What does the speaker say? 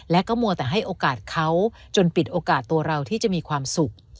และก็มัวแต่ให้โอกาสเขาจนปิดโอกาสตัวเราที่จะมีความสุข